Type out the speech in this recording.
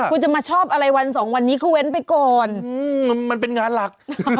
คุณจะมาชอบอะไรวันสองวันนี้เขาเว้นไปก่อนมันเป็นงานหลัก